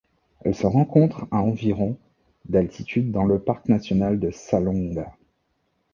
Elle se rencontre à environ d'altitude dans le parc national de la Salonga.